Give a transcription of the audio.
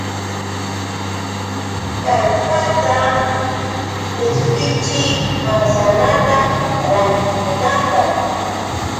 Karpata qishpichiy manzanata rantikunaapaq.